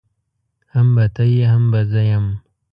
هم به ته يې هم به زه يم.